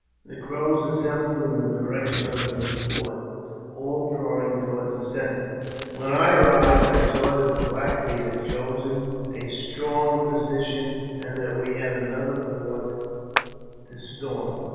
The Crows assembled in the direction of the report, all drawing toward a centre. When I arrived, I saw that the Black Feet had chosen a strong position, and that we had another fort to storm.